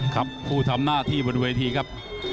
ครับผู้ทำหน้าที่บนเวทีครับ